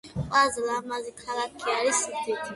ყველაზე ლამაზი ქალაქი არის ზუგდიდი